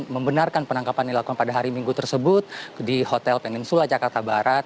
membenarkan penangkapan dilakukan pada hari minggu tersebut di hotel peninsula jakarta barat